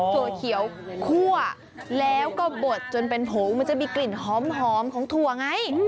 ถั่วเขียวคั่วแล้วก็บดจนเป็นผงมันจะมีกลิ่นหอมของถั่วไง